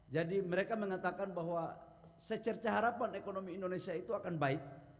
mereka mengatakan bahwa secerca harapan ekonomi indonesia itu akan baik